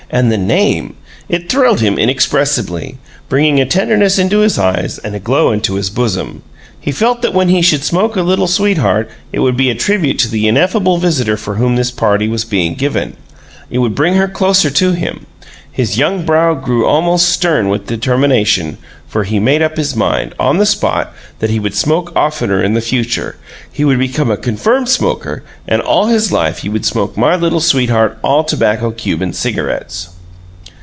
And the name! It thrilled him inexpressibly, bringing a tenderness into his eyes and a glow into his bosom. He felt that when he should smoke a Little Sweetheart it would be a tribute to the ineffable visitor for whom this party was being given it would bring her closer to him. His young brow grew almost stern with determination, for he made up his mind, on the spot, that he would smoke oftener in the future he would become a confirmed smoker, and all his life he would smoke My Little Sweetheart All Tobacco Cuban Cigarettes.